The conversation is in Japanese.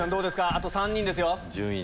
あと３人ですよ。